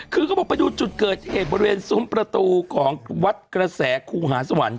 คือเขาบอกไปดูจุดเกิดเหตุบริเวณซุ้มประตูของวัดกระแสครูหาสวรรค์